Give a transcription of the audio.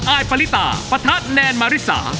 อายปริตาปะทะแนนมาริสา